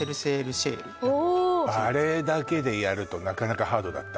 シェールおおあれだけでやるとなかなかハードだった？